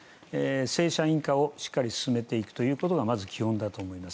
正社員化をしっかり進めていくことがまず基本だと思います。